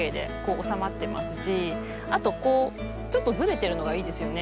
あとこうちょっとずれてるのがいいですよね。